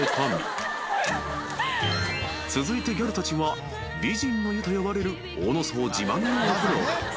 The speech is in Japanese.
［続いてギャルたちは美人の湯と呼ばれる大野荘自慢のお風呂へ］